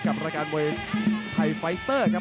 กับรายการมวยไทยไฟเตอร์ครับ